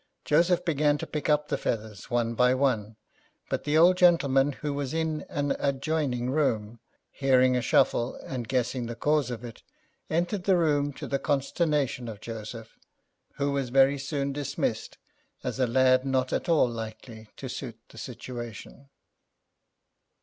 Joseph began to pick up the feathers, one by one; but the old gentleman, who was in an adjoining room, hearing a shuffle, and guessing the cause of it, entered the room to the consternation of Joseph, who was very soon dismissed as a lad not at all likely to suit the situation.